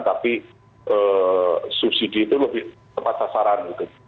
tapi subsidi itu lebih tepat sasaran gitu